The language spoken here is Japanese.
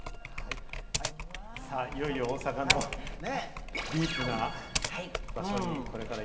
いよいよ大阪のディープな場所にこれから。